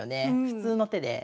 普通の手で。